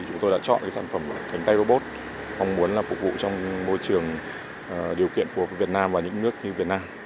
chúng tôi đã chọn sản phẩm cánh tay robot mong muốn là phục vụ trong môi trường điều kiện phù hợp với việt nam và những nước như việt nam